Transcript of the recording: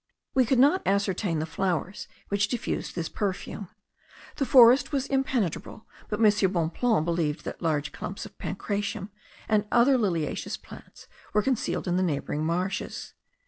We could not ascertain the flowers which diffused this perfume. The forest was impenetrable; but M. Bonpland believed that large clumps of pancratium and other liliaceous plants were concealed in the neighbouring marshes.